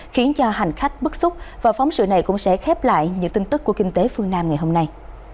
khiến cho hành khách bức xúc và phóng sự này cũng sẽ khép lại những tin tức của kinh tế phương nam ngày hôm nay